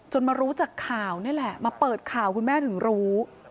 มารู้จากข่าวนี่แหละมาเปิดข่าวคุณแม่ถึงรู้